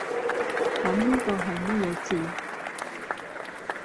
噉呢個係乜嘢字？